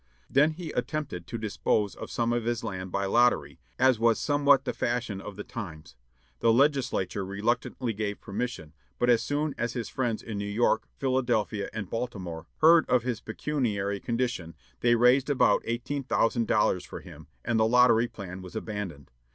Then he attempted to dispose of some of his land by lottery, as was somewhat the fashion of the times. The Legislature reluctantly gave permission, but as soon as his friends in New York, Philadelphia, and Baltimore heard of his pecuniary condition, they raised about eighteen thousand dollars for him, and the lottery plan was abandoned.